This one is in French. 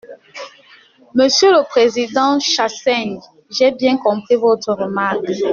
Monsieur le président Chassaigne, j’ai bien compris votre remarque.